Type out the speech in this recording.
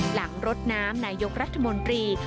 รดน้ำนายกรัฐมนตรี